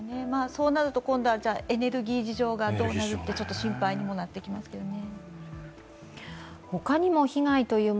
そうなると今度は、エネルギー事情がどうなるって心配にもなりますね。